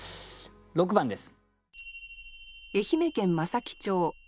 ６番です。